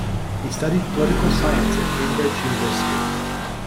He studied political science at Cambridge University.